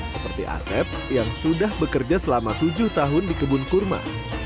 seperti asep yang sudah bekerja selama tujuh tahun di kebun kurma